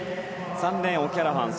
３レーン、オキャラハン